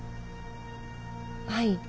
はい。